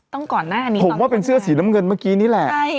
ก่อนหน้านี้ผมว่าเป็นเสื้อสีน้ำเงินเมื่อกี้นี่แหละใช่